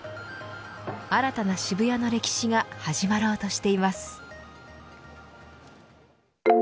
新たな渋谷の歴史が始まろうとしています。